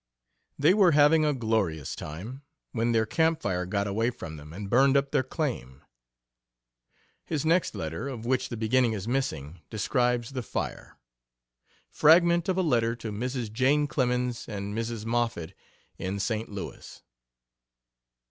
They were having a glorious time, when their camp fire got away from them and burned up their claim. His next letter, of which the beginning is missing, describes the fire. Fragment of a letter to Mrs. Jane Clemens and Mrs. Moffett, in St. Louis